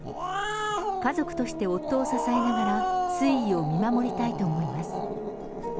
家族として夫を支えながら、推移を見守りたいと思います。